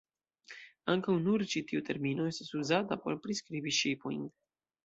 Ankaŭ nur ĉi tiu termino estas uzata por priskribi ŝipojn.